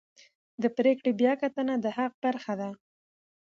د پرېکړې بیاکتنه د حق برخه ده.